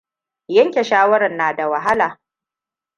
Yanke shawarar na da wahala.